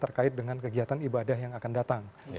terkait dengan kegiatan ibadah yang akan datang